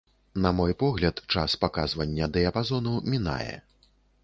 На мой погляд, час паказвання дыяпазону мінае.